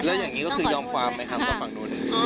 แล้วอย่างนี้ก็คือยอมความไปทำกับฝั่งโดน